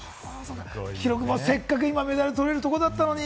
記録もせっかくメダル取れるとこだったのに！